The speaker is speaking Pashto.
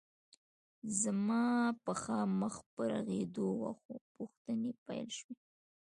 زما پښه مخ په روغېدو وه خو پوښتنې پیل شوې